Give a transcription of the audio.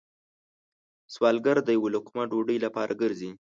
سوالګر د یو لقمه ډوډۍ لپاره گرځي